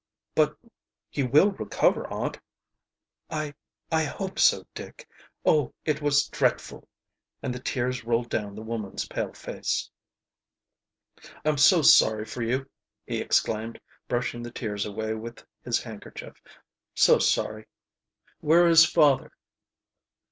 "But he will recover, aunt?" "I I hope so, Dick. Oh, it was dreadful!" And the tears rolled down the woman's pale face. "I'm so sorry for you!" he exclaimed, brushing the tears away with his handkerchief. "So sorry. Where is father?"